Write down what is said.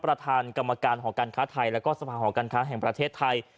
ประธานกรรมการหอการค้าไทยแล้วก็สภาหอการค้าแห่งประเทศไทย